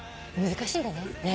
難しいんだね。